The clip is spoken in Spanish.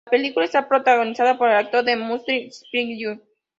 La película está protagonizada por el actor Demetrius Shipp, Jr.